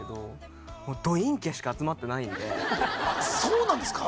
そうなんですか？